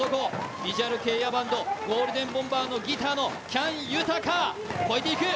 ビジュアル系エアバンドゴールデンボンバーのギターの喜矢武豊、越えていく。